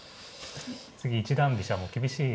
次一段飛車も厳しい。